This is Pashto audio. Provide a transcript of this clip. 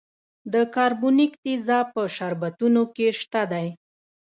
د کاربونیک تیزاب په شربتونو کې شته دی.